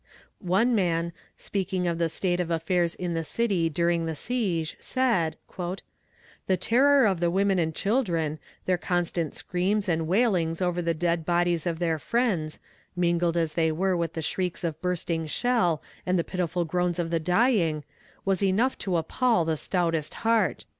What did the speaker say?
One man, in speaking of the state of affairs in the city, during the siege, said: "The terror of the women and children, their constant screams and wailings over the dead bodies of their friends, mingled as they were with the shrieks of bursting shell, and the pitiful groans of the dying, was enough to appall the stoutest heart."